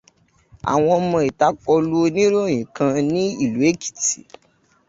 Àwọn ọmọ ìta kọlu onírọ̀yìn kan ní ìlú Èkìtì.